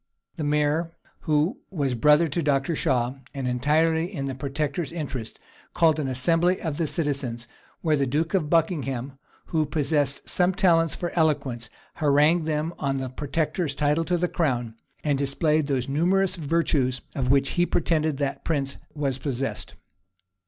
The mayor, who was brother to Dr. Shaw, and entirely in the protector's interests, called an assembly of the citizens; where the duke of Buckingham, who possessed some talents for eloquence, harangued them on the protector's title to the crown, and displayed those numerous virtues of which he pretended that prince was possessed.